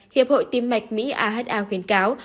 hiệp hội tim mạch mỹ aha khuyến cáo